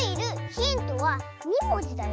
ヒントは２もじだよ。